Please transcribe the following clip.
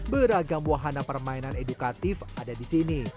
beragam wahana permainan edukatif ada di sini